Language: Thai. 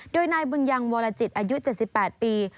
โดยนายบุญยังวรจิตอายุ๗๘ปี